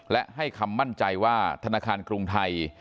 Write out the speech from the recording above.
และให้คำมั่นใจว่าธนาคารกรุงไทย